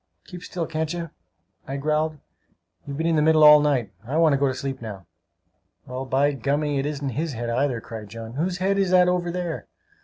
"Keep still, can't you?" I growled. "You've been in the middle all night! I want to go to sleep now." "Well, by gummy, it isn't his head either!" cried John. "Whose head is that over there?"